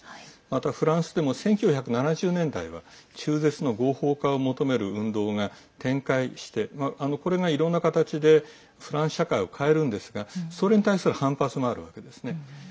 またフランスでも１９７０年代は中絶の合法化を求める運動が展開して、これがいろんな形でフランス社会を変えるんですがそれに対する反発もあるわけですね。